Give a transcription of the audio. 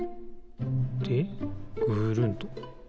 でぐるんと。